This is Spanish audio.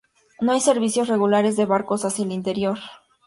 No hay servicios regulares de barcos hacia el interior.